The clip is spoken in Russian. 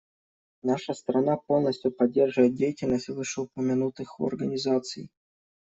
Наша страна полностью поддерживает деятельность вышеупомянутых организаций.